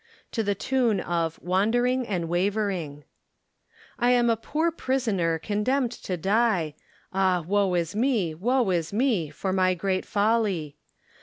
= TO THE TUNE OF "WANDERING AND WAVERING." I am a poore prisoner condemned to dye, Ah woe is me, woe is me, for my great folly!